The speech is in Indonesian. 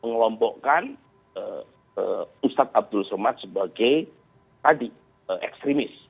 mengelompokkan ustadz abdul salman sebagai hadik ekstremis